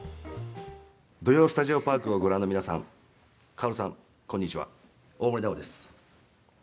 「土曜スタジオパーク」をご覧の皆さん、薫さんこんにちは大森南朋です。